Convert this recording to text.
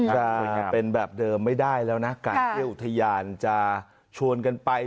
ใช่ยังเป็นแบบเดิมไม่ได้แล้วนะการเที่ยวอุทยานจะชวนกันไป